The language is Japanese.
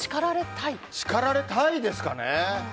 叱られたいですかね。